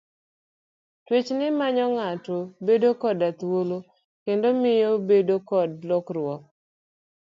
Twech ne manyo ng'ato bedo koda thuolo kendo miyo obedo kod lokruok.